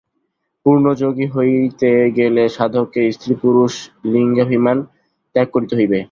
পূর্ণ যোগী হইতে গেলে সাধককে স্ত্রী-পুরুষ-লিঙ্গাভিমান ত্যাগ করিতে হইবে।